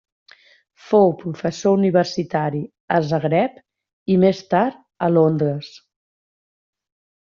Fou professor universitari a Zagreb i més tard a Londres.